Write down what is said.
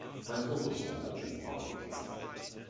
Mein Urgroßvater hat diesen Baum gepflanzt.